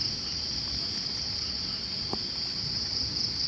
ต้องเล่าช่วยสุดท้าย